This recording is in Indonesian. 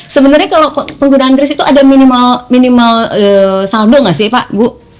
sebenarnya kalau penggunaan kris itu ada minimal saldo nggak sih pak bu